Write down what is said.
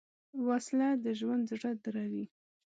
وسله د ژوند زړه دروي